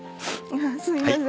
すいません。